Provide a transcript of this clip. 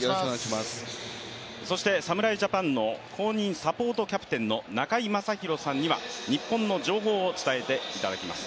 侍ジャパンの公認サポートキャプテンの中居正広さんには日本の情報を伝えていただきます。